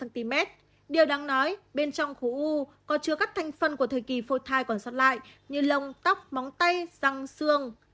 điều đáng nói bên trong khu u có chứa các thành phần của thời kỳ phôi thai còn sát lại như lông tóc móng tay xăng xương